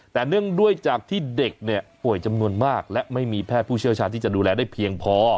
แต่เนื่องด้วยจากที่เด็กเนี่ยป่วยจำนวนมากและไม่มีแพทย์ผู้เชี่ยวชาญที่จะดูแลได้เพียงพอ